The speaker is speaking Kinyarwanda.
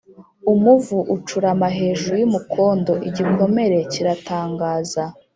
Umuvu ucurama hejuru y'umukondo, igikomere kiratangaza,